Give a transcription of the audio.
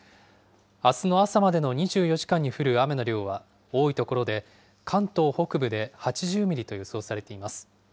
あすの朝までの２４時間に降る雨の量は多い所で、関東北部で８０ミリと予想されています。